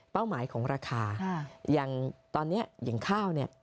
หมายของราคาอย่างตอนนี้อย่างข้าวเนี่ย